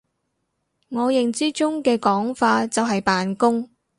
我認知中嘅講法就係扮工！